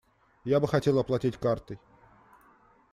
Я бы хотел оплатить картой.